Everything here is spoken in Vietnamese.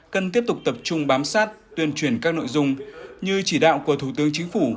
cần tiếp tục tập trung bám sát tuyên truyền các nội dung như chỉ đạo của thủ tướng chính phủ